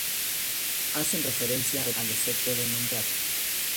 Hacen referencia al efecto de nombrar.